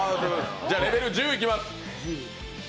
じゃあ、レベル１０いきます。